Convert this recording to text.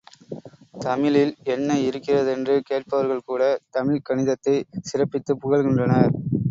தமிழில் என்ன இருக்கிறதென்று கேட்பவர்கள்கூட, தமிழ்க் கணிதத்தைச் சிறப்பித்துப் புகழ்கின்றனர்.